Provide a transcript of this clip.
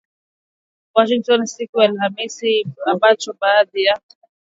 Washington siku ya Alhamis iliionya Moscow kuhusu kile ambacho baadhi ya